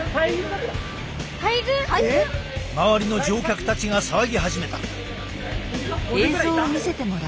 周りの乗客たちが騒ぎ始めた。